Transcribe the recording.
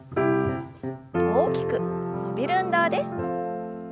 大きく伸びる運動です。